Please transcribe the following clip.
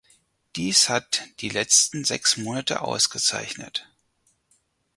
Dies hat die letzten sechs Monate ausgezeichnet.